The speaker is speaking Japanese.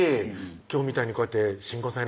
今日みたいにこうやって新婚さんいら